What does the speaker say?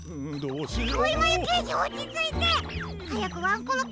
うん。